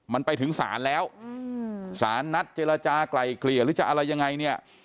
มันไปถึงศาลแล้วสารนัดเจรจากลายเกลี่ยหรือจะอะไรยังไงเนี่ย